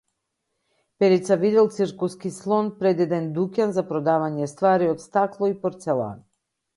Перица видел циркуски слон пред еден дуќан за продавање ствари од стакло и порцелан.